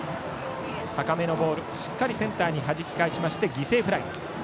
高めのボールをしっかりセンターにはじき返しまして犠牲フライ。